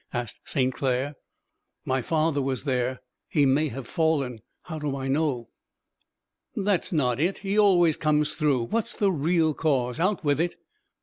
asked St. Clair. "My father was there. He may have fallen. How do I know?" "That's not it. He always comes through. What's the real cause? Out with it!"